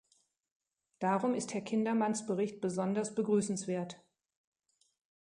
Darum ist Herr Kindermanns Bericht besonders begrüßenswert.